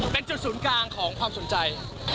เป็นจุดศูนย์กลางของความสนใจ